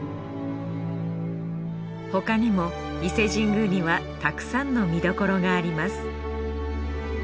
他にも伊勢神宮にはたくさんの見どころがあります。